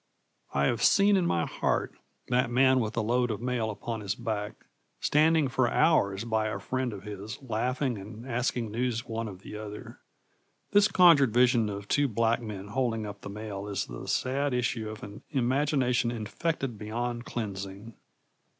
I have seen in my heart that man with the load of mail upon his back, standing for hours by a friend of his, laughing and asking news one of the other. This conjured vision of two black men holding up the mail is the sad issue of an imagination infected beyond cleansing.